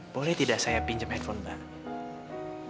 boleh tidak saya pinjam handphone baru